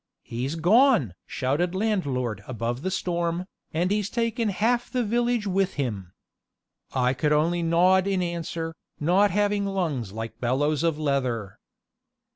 "He's gone!" shouted landlord above the storm, "and he's taken half the village with him." I could only nod in answer, not having lungs like bellows of leather.